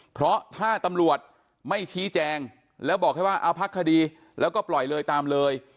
เพราะถ้าตำรวจไม่ชี้แจงแล้วบอกแค่ว่าเอาพักคดีแล้วก็ปล่อยเลยตามเลย